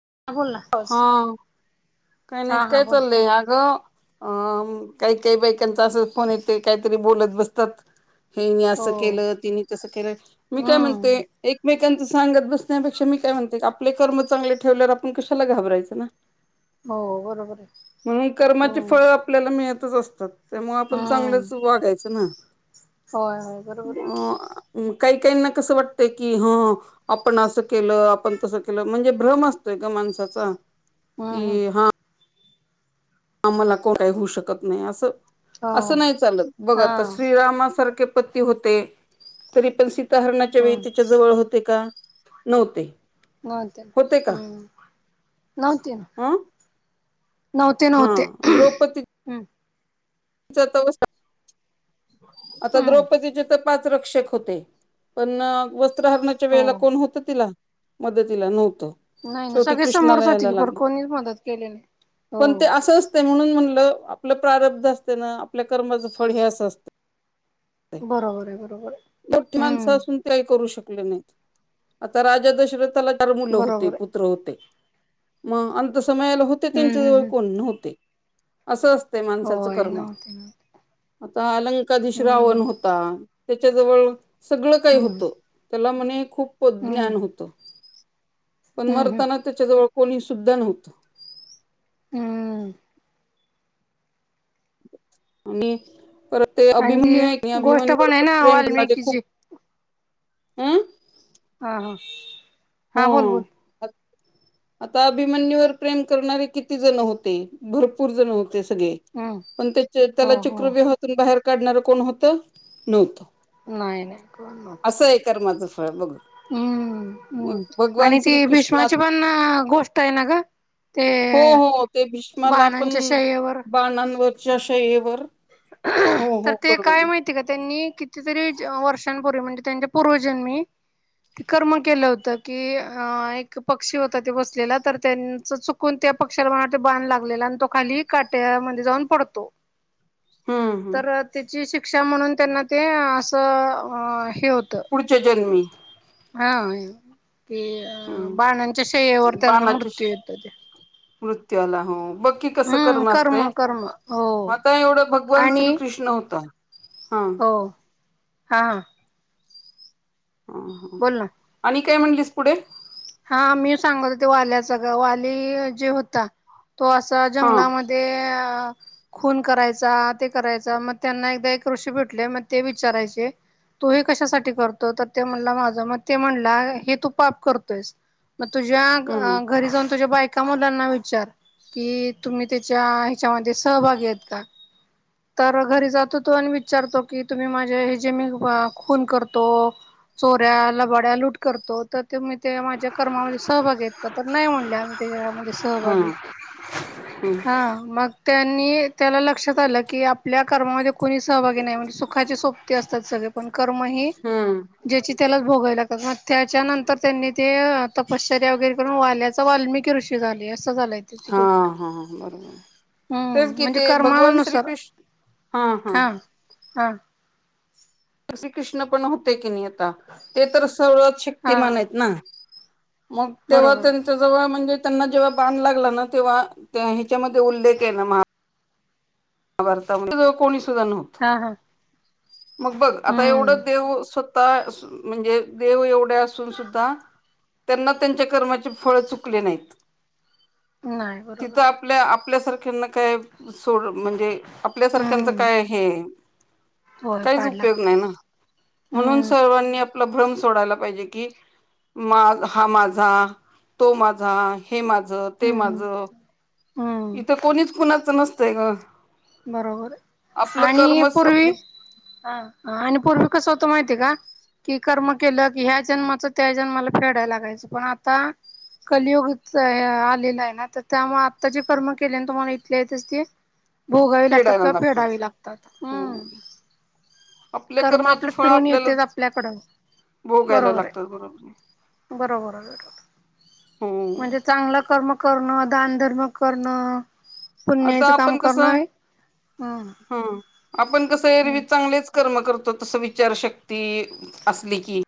[unintelligible] काय नाही काय बोल चाललंय आज अ काही काही बाईकांचा अस फोन येते काहीतरी बोलत बसतात हेनी हो असं केलं तिने तसं केलं मी काय म्हणते हम्म एकमेक सांगत बसण्यापेक्षा मी काय म्हणते आपले कर्म चांगले ठेवल्यावर आपण कशाला घाबरायचं ना हो बरोबर आहे म्हणून कर्माचे हम्म फळ आपल्याला मिळतच असत. त्यामुळं आपण हम्म चांगलंच वागायचं म होय होय बरोबर आहे की आ काही काहीना कस वाटतं की ह आपण असं केलं आपण तसं केलं म्हणजे भ्रम असतोय ग माणसाचा हम्म हम्म की हा आम्हाला कोठही होऊ शकत नाही असं हो असं नाही चालत बघ हा आता श्रीरामासारखे उत्पत्ती होते तरी पण सीता हरणाच्या वेळी हम्म त्याच्या जवळ होते का नव्हते प नवतेन हम्म नवतीन. अं नव्हते हा नव्हते द्रौपदीचा हम्म. [unintelligible] आता हम्म द्रौपदीचे तर पाच रक्षक होते पण वस्त्रहरणाच्या हो वेळेला कोण होत तिला मदतीला नव्हतं. नाही ना शेवटी सगळे कृष्णाला समोरच होते यायला की पर लागले कोणीच मदत केली नाही हो पण ते असंच ते म्हणून म्हणलं आपलं प्रारब्ध असते ना आपल्या कर्माचं फळ हे असं असत. बरोबर आहे बरोबर आहे मोठी माणसं हम्म असून तेही करू शकत नाही आता राजा दशरथाला चार मुलं होते बरोबर आहे पुत्र होते. मग अंत समयाला होते त्यांच्या हम्म जवळ हम्म हम्म कोण नव्हते असं असते माणसा होय ना. आता अलंकाधीश रावण होता त्याच्याजवळ सगळं काही हम्म होतं त्याला म्हणे खूप हम्म ज्ञान होत. पण हम्म हम्म मरताना त्याच्याजवळ कोणी सुुद्धा नव्हतं हम्म. आणि परत ते आणि अभिमन्यू ती आहे क नाही गोष्ट अभिमन्यूवर आहे पण ना प्रेम करणार ते खूप वाल्मिकीची [unintelligible] हा हा हो हा बोल बोल. आता अभिमन्यवर प्रेम करणारे किती जण होते भरपूर जण हो सगळे हम्म पण त्या हो त्याला हो चक्र बहतून बाहेर काढणारं कोण होतं नव्हतं. नाही नाही कोण नव्हतं. असं आहे कर्माचं फळ बघ हम्म हम्म भगवान आणि ती श्रीकृष्णात भीष्माची पण गोष्ट आहे ना ग ते हो हो ते भीष्माला पण बाणांच्या शय्येवर बाणांवरच्याशयेवर तर ते काय माहिती आहे का त्यांनी कितीतरी वर्षांपूर्वी म्हणजे त्यांच्या पूर्वजन्मी ते कर्म केलं होत की एक पक्षी होता ते बसलेला तर त्यांच चुकून पक्षाला मला बांध लागलेला आणि तो खाली काट्यामध्ये जाऊन पडतो ह तर त्याची शिक्षा म्हणून त्यांना ते असं अ पुढचे जन्मी हा की अ हम्म बाणांच्या शयवर त्यांना मृत्यू येत ते मृत्यू आला हो बकी कसं हम्म कर्म असत कर्म हो आता एवढं भगवान आणि श्रीकृष्ण नव्हता हो हा ह ह बोल ना आणि काय म्हणलीस पुढे हा मी सांगत होते वाल्याचा वाली जे होता तो असा हा जंगलामध्ये अ खून करायचा ते करायचा मग त्यांना एकदा एक ऋषी भेटले मग ते विचारायचे तू हे कशासाठी करतो तर ते म्हणला माझ मग ते म्हणला हे तू पाप करतो तेच मग हम्म तुझ्या घरी जाऊन तुझ्या बाईक का मुलांना विचार कि तुम्ही त्याच्या ह्याच्यामध्ये सहभागि आहेत का तर घरी जातो तो आणि विचारतो की तुम्ही माझे हे जे मी खून करतो चोऱ्याला लबाड्या लूट करतो तर ते ते माझ्या कर्मामध्ये सहभागी आहेत का तर नाही म्हणले आम्ही त्याच्यामध्ये सहभागी हम्म हम्म हा मग त्यांनी त्याला लक्षात आलं की आपल्या कर्मामध्ये कोणीच सहभागी नाही म्हणजे सुखाचे सोबती असतात सगळे पण कर्म हे हम्म ज्याची त्यालाच भोगाय लागते मग त्याच्या नंतर त्यांनी ते तपश्चर्या वगैरे करून वाल्याचा वाल्मिकी ऋषी झाले अस झालंय त्याची हा गोष्ट हा बरोबर तेच हम्म कि म्हणजे ते भगवान करमावानुसार श्रीकृष्ण हा हा ह श्रीकृष्ण पण होते की नाही आता ते तर [unintelligible] हा शक्तिमान हा आहेत ना मग तेव्हा बरोबर त्यांच्या जवळ म्हणजे त्यांना जेव्हा बाण लागला ना तेव्हा ह्याच्यामध्ये उल्लेख आहे ना मा ारता कोणी सुद्धा नव्हत हा हा मग बघ आता हम्म एवढं देव स्वतः म्हणजे देव एवढे असून सुद्धा त्यांना त्यांच्या कर्माचे फळ चुकले नाहीत नाही तिथं बरोबर आहे आपल्या आपल्यासारख्यांना काय सोड म्हणजे आपल्यासारख्यांचं हम्म काय आहे होय का पाड उपयोग लागते नाही म्हणून हम्म सर्वांनी आप भ्रम सोडायला पाहिजे की मा हा माझा तो माझा हे माझं ते हम्म माझं हम्म इथं कोणीच खुणाचं नसतंय ग बरोबर आपलं आणि कर्मच पूर्वी आपली ह आणि पूर्वी कसवत माहितीय का कि कर्म केलं की ह्या जन्माच त्या जन्माला फेडायला लागायचं पण आता कलियुगीत आलेला आहे ना तर त्यामुळे आत्ता जे कर्म केले ना तुम्हाला इथले यच ते भोगावे लागतात किंवा फेडावी लागतात हम्म आपल्या कर्म कर्माची आपलं फळ फिरून आपल्याला येतेच आपल्याकडं भोगायला बरोबर आहे लागतात बरोबर बरोबर आहे बरोबर हम्म म्हणजे चांगलं कर्म करणं दानधर्म करणं आता पुण्याचं काम आपण कस करणं आहे हम्म ह आपण कसं हम्म एरवीज चांगलेच कर्म करतो तस विचारशक्ती असली की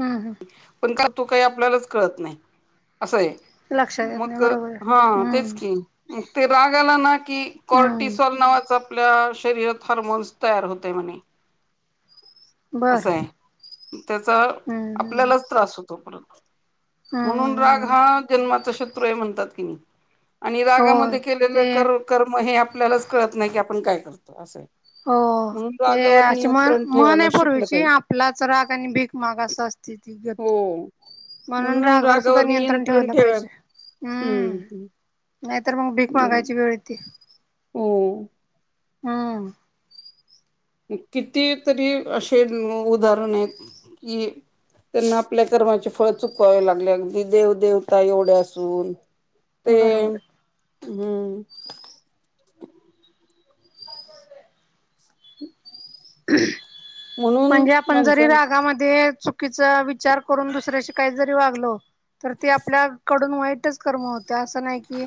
हम् हम् पण का तो काही आपल्यालाच कळत नाही असं आहे लक्षात येत नाही मग बरोबर हा तेच हम्म क ते राग आला ना की हम्म कॉर्टिसॉल नावाचा आपल्या शरीरात हॉर्मोन्स तयार होते म्ह बर असं आहे त्याचा हम्म हम्म आपल्यालाच त्रास होतो परत म्हणून राग हम्म हा जन्माचा शत्रू आहे म्हणतात कि नाही आणि हो रागामध्ये केलेलं ते क कर्म हे आपल्यालाच कळत नाही की आपण काय करतो असं आहे हो म्हणून ते रागावर आशमान नियंत्रण मन ठेवायला आहे शिकलं पूर्वीची पाहिजे. आपलाच राग आणि भीकमाग असा असते ती गत हो म्हणून राघर सुद्धा नियंत्रण ठेवाला पाहिजे हम्म नाही तरर मग भीक बरोबर. मागायची वेळ ते हो हम्म किती तरी असे उदाहरण आहेत कि त्यांना आपल्या कर्माचे फळ चुकवावे लागले अगदी देव देेवता एवढ्या असून ते बरोबर हम्म म्हणून म्हणजे आपण जरी माणसान रागामध्ये चुकीचा विचार करून दुसऱ्याशी काही जरी वागल तर ते आपल्याकडून वाईटच करम होत असं नाही कि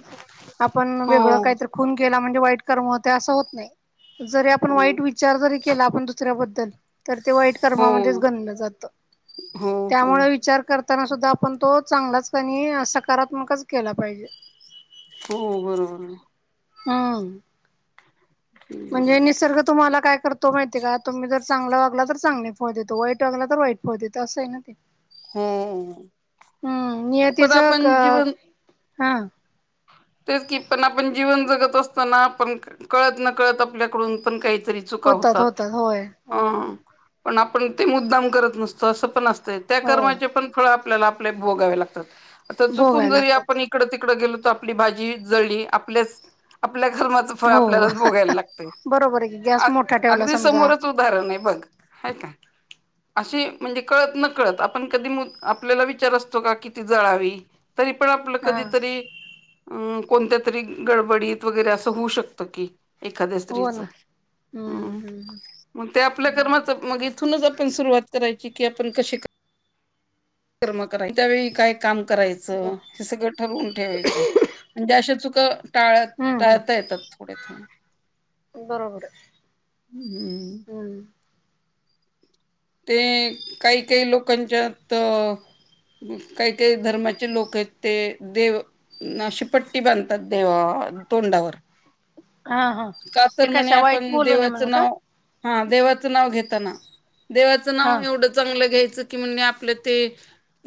आपण हो वेगळं काहीतरी खून केला म्हणजे वाईट कर्म होते असं होत नाही जरी आपण हो वाईट विचार जरी केला आपण दुसऱ्याबद्दल तर ते वाईट हो कर्मामध्येच गणलं जात हो हो त्यामुळे विचार करत ताना सुद्धा आपण तो चांगलाच आणि सकारात्मकच केला पाहिजे हो बरोबर हम्म बरोबर. म्हणजे निसर्ग तुम्हाला काय करत तो माहिती का तुम्ही जर चांगला वागला तर चांगले फळ देतो वाईट वागला तर वाईट फळ देत असं आहे ना ते हम्म हम्म पण नियतीच आपण जीवन हा तेच की पण आपण जीवन जगत असताना आपण कळत न कळत आपल्याकडून पण काही चु होतात होय होय होय. पण आपण ते मुद्दाम करत नसतो असं पण असतं त्या हो कर्माचे पण फळ आपल्याला आपले भोगावे लागतात. आता चुकून भोगायला जरी लागतात आपण इकड तिकडडे गेलो तर आपली भाजी जळ ली, आपल्याच आपल्या कर्माचं फळ हो आपल्यालाच भोगायला लागतय. बरोबर आहे की गॅस अ मोठा ठेवला अगदी समजा समोरच उदाहरण आहे बघ है का. अशी म्हणजे कळत न कळत आपण कधी आपल्याला विचार असतो का किती जळावी? तरी पण आपलं हा कधीतरी अं कोणत्या तरी गडबडीत वगैरे असं होऊ शकतं की एखाद्या हो स्त्रीचं, ना हं हम्म हम्म मग ते आपल्या कर्माचं मग इथूनच आपण सुरुवात करायची की, आपण कशी कर्म करा त्यावेळी काय काम बर करायचं, हे सगळं ठरवून ठेवायचं, म्हणजे अशा चुका टाळत हम्म टाळता हम्म येतात थोड्या थोड हम् ते काही काही लोकांच्यातं मग काही काही धर्माचे लोक आहेत ते देव अन अशी पट्टी बांधतात देवाव तोंडावर हा हा का ते तर म्हणे कशा वाईट आपण बोलू नये देवाचं म्हणून का नाव हा देवाचं नाव घेताना, देवाचं हा नाव एवढं चांगलं घ्यायचं कि म्हणे आपल्या ते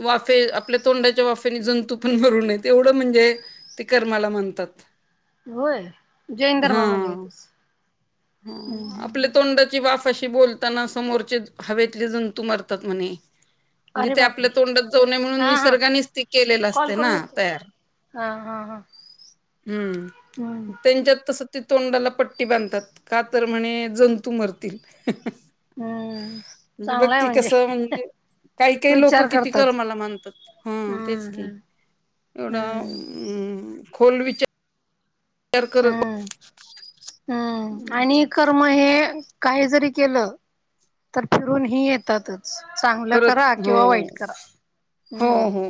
वाफे आपल्या तोंडाच्या वाफेने जंतू पण मरू नये एवढं म्हणजे ते कर्माला म्हणतात होयं जैन धर्मामध्ये येतच हम्म हं आपल्या हम्म तोंडाची वाफ अशी बोलताना समोरचे हवेतले जंतू मारतात म्हणे. म्हणजे अरे ते बापरे आपल्या तोंडात जाऊ नय हा म्हणून हा निसर्गानेच ते केलेलं कॉल असते करून ना येते तयार. हा हा हा. हम्म त्यांच्यात तसं ते तोंडाला पट्टी बांधतात, का तर म्हणे जंतू मरतील. हम्म. म्हणजे बघ कि कसं म्हणजे काही काही लोक विचार किती करतात कर्माला मानतात, हं तेच हम्म की हम्म एवढा हम्म अं खोल विचार करत हम्म हम्म आणि कर्म हे काही जरी केलं, तर फिरून हे येतातंच चांगलं खरत करा हो किंवा वाईट करा हो हम्म हो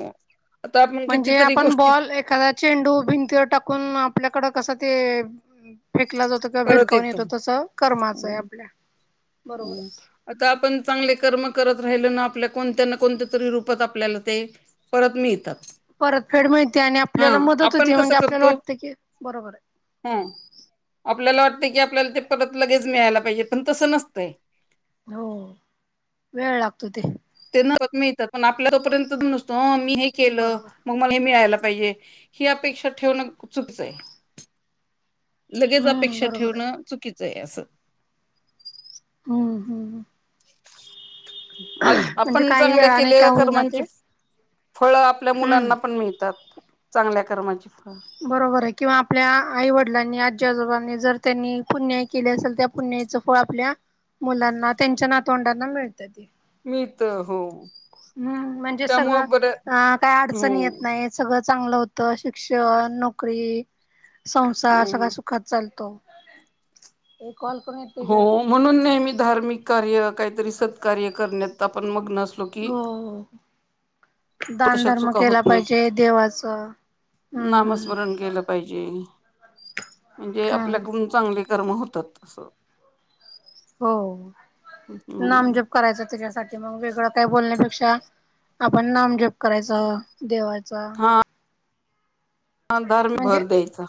आता आपण म्हणजे कितीतरी आपण गोष्टीत बॉल एखादा चेंडू भिंतीवर टाकून आपल्याकडं कसं ते फेकला जातो किंवा भिरकावून येतो तस कर्माचं आहे आपल्या. बरोबर हम् आहे. आता आपण चांगले कर्म करत राहिलं ना आपल्या कोणत्या ना कोणत्या त रूपात आपल्याला ते परत मिळतात. परतफेड माहिती आणि हा आपल्याला मदत आपण होती कसं म्हणजे आपल्याला करतो वाटते की बरोबर आहे. ह आपल्याला वाटतं की, आपल्याला ते परत लगेच मिळायला पाहिजे पण तस नसतंय. हो वेळ लागतो ते [unintelligible] मिळतात पण आपल्यात जो पर्यंतदम नसतो. मी हे केलं बरोबर मग मला हे मिळायला पाहिजे ही अपेक्षा ठेवणं चुकिचं आहे. लगेच हम्म अपेक्षा बरोबर ठेवणं, चुकीचं आहे असं. हम्म हम्म. आत म्हणजे आपण काही चांगल्या वेळाने का केलेल्या होईना कर्मांची ते फ फळ आपल्या हम्म मुलांना पण मिळतात चांगल्या कर्माची फ बरोबर आहे किंवा आपल्या आई वडिलांनी आ आजी आजोबांनी जर त्यांनी पुण्याई केली असेल त्या पुण्याईचं फळ आपल्या मुलांना त्यांच्या नातवंडाना मिळ मी तर हो हम्म म्हणजे सगळं त्यामुळं बर अ काय हो अडचण येत नाही सगळं चांगलं होतं शिक्षण नोकरी संसार हो सगळा सुखात चालतो हे कॉल करून येते हो ग म्हणून नेहमी धार्मिक कार्य काहीतरी सत्कार्य करण्यात आपण मग हो तशा दानधर्म चुका होत केला नाहीत पाहिजे देवाच हम्म हम् नामस्मरण केलं पाहिजे म्हणजे आपल्याकडून चांगली कर्म होतात तसं हो नामजप करायचं त्याच्यासाठी मग वेगळं काय बोलण्यापेक्षा आपण नाम जप करायच देवाचा हा धार्मिक म्हणजे भर द्यायचा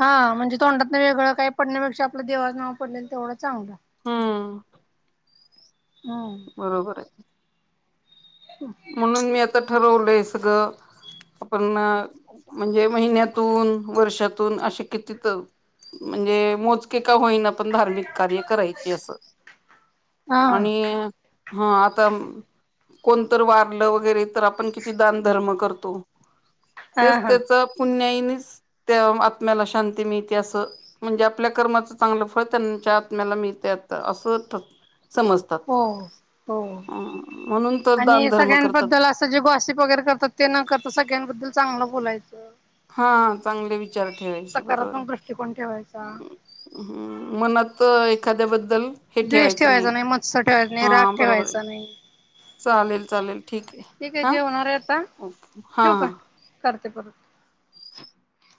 हा म्हणजे तोंडात न वेगळ काही पडण्यापेक्षा आपलं देवां नाव पडलंल तेवढं चांगलं हा हम्म बरोबर आहेच म्हणून मी आता ठरवलंय सगळं आपण म्हणजे महिन्यातून वर्षातून असे किती तर म्हणजे मोजके होईना पण धार्मिक कार्य करायचे अस हा आणि हा आता कोण व वरे आपण कि दधर् करतो हा हा त्या आ्याला शां मि अस म्हणजे आपल्या कर्माच चांगलं फळ त्यांच्या आ हो हो म्हण आणि सगळ्यांबद्दल असं जे गॉशीप वगैरे करतात ते न करत सगळ्यांबद्दल चांगलं बोलायचं. हा चांगले विचार ठेवायचे बरोबर सकारात्मक दृष्टिकोन ठेवायचा हम् मनात एखाद्या बद्दल द्वेष ठेवायचा नाही, मत्स्य ठेवायचा नाही, हा राग बरोबर आहे ठेवायचा नाही, चालेल चालते चालेल ठीक आहे हा जेवणार आता ओके हा ठेवू हा काय. करते परत